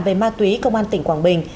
về ma túy công an tỉnh quảng bình